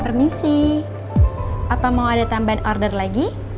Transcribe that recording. permisi apa mau ada tambahan order lagi